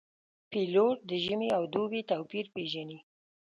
پیلوټ د ژمي او دوبي توپیر پېژني.